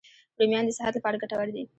رومیان د صحت لپاره ګټور دي